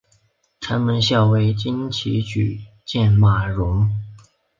城门校尉岑起举荐马融。